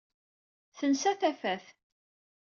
Tensa tafat.